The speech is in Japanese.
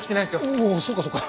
おそうかそうか。